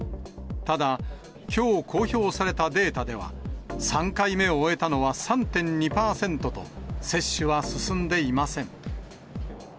ただ、きょう公表されたデータでは、３回目を終えたのは３．２％と、接種は進んでいません。